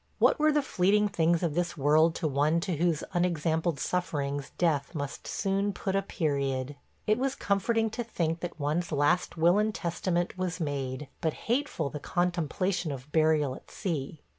What were the fleeting things of this world to one to whose unexampled sufferings death must soon put a period? It was comforting to think that one's last will and testament was made, but hateful the contemplation of burial at sea.